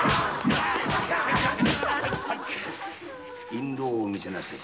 印籠を見せなさい。